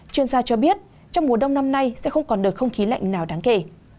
chuyên gia cho biết trong mùa đông năm nay sẽ không còn đợt không khí lạnh nào đáng kể